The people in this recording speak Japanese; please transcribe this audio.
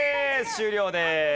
終了です。